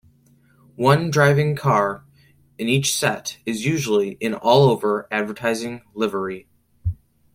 One driving car in each set is usually in all-over advertising livery.